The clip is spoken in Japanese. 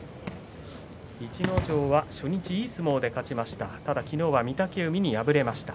逸ノ城は初日、いい相撲で勝ちました。